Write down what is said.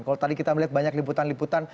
kalau tadi kita melihat banyak liputan liputan